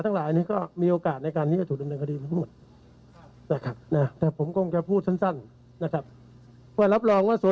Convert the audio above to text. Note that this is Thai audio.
ต้องกระชากหน้ากากมาก็รับรองแน่นอน